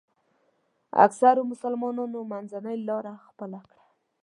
اکثرو مسلمانانو منځنۍ لاره خپله کړه.